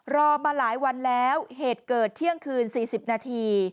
รอมาหลายวันแล้วเหตุเกิดเที่ยงคืน๔๐นาที